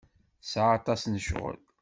Tesɛa aṭas n ccɣel.